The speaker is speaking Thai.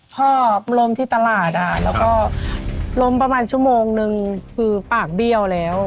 พ่อล้มที่ตลาดแล้วก็ล้มประมาณชั่วโมงนึงคือปากเบี้ยวแล้ว